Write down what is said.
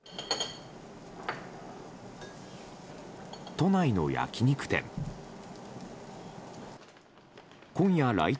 都内の焼き肉店。